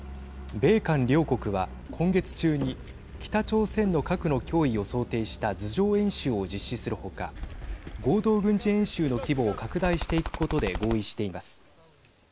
米韓両国は今月中に北朝鮮の核の脅威を想定した図上演習を実施する他合同軍事演習の規模を拡大していくことで合意しています。